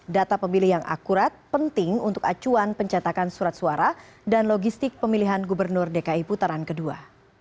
data pemilih yang akurat penting untuk acuan pencetakan surat suara dan logistik pemilihan gubernur dki putaran kedua